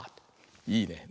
いいね。